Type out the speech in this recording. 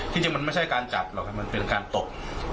จริงมันไม่ใช่การจับหรอกครับมันเป็นการตบ